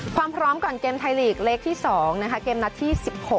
พร้อมก่อนเกมไทยลีกเล็กที่๒นะคะเกมนัดที่๑๖